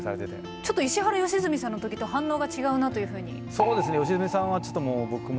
ちょっと石原良純さんの時と反応が違うなというふうに。